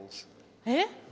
えっ？